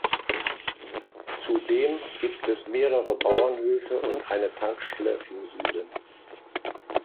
Zudem gibt es mehrere Bauernhöfe und eine Tankstelle im Süden.